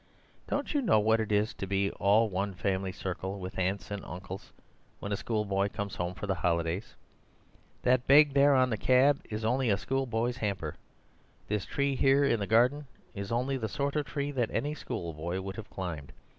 Don't you know what it is to be all one family circle, with aunts and uncles, when a schoolboy comes home for the holidays? That bag there on the cab is only a schoolboy's hamper. This tree here in the garden is only the sort of tree that any schoolboy would have climbed.